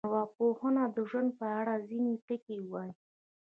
ارواپوهنه د ژوند په اړه ځینې ټکي وایي.